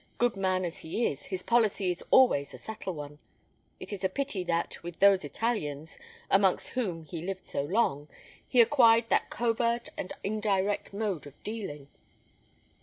Good man as he is, his policy is always a subtle one. It is a pity that, with those Italians, amongst whom he lived so long, he acquired that covert and indirect mode of dealing.